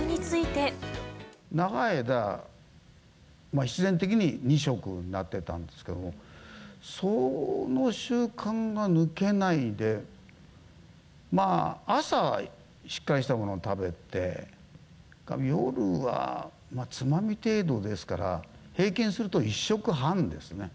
長い間、必然的に２食になってたんですけども、その習慣が抜けないで、朝はしっかりしたものを食べて、夜はつまみ程度ですから、平均すると１食半ですね。